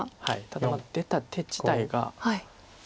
ただ出た手自体が。